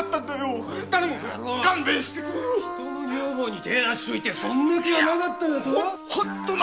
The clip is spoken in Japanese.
人の女房に手を出しといてそんな気はなかっただと？